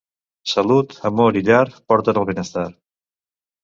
Salut, amor i llar porten el benestar.